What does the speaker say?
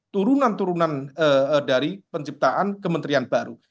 turunan turunan dari penciptaan kementerian baru